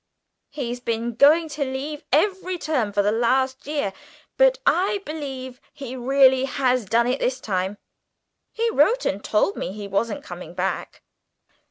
"He's been going to leave every term for the last year, but I believe he really has done it this time. He wrote and told me he wasn't coming back."